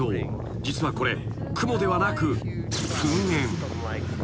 ［実はこれ雲ではなく］